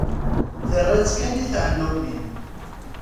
Terra-tt kan i tɛellumin.